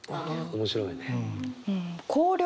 面白いね。